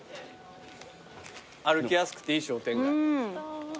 歩きやすくていい商店街。